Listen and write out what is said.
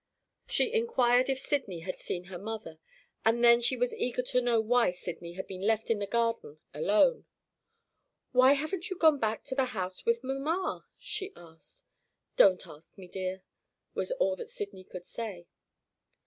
She inquired if Sydney had seen her mother, and then she was eager to know why Sydney had been left in the garden alone. "Why haven't you gone back to the house with mamma?" she asked. "Don't ask me, dear," was all that Sydney could say.